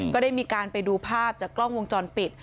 ก็ได้มีการไปดูภาพจากกล้องวงจรปิด